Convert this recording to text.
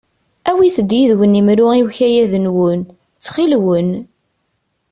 Awit-d yid-wen imru i ukayad-nwen, ttxil-wen.